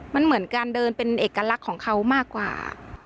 มันเหมือนการเดินเป็นเอกลักษณ์ของเขามากกว่า